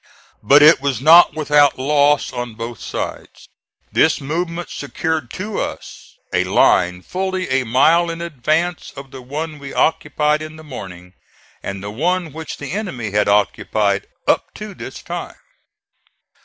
But it was not without loss on both sides. This movement secured to us a line fully a mile in advance of the one we occupied in the morning, and the one which the enemy had occupied up to this time.